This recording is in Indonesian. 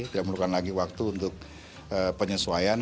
tidak memerlukan lagi waktu untuk penyesuaian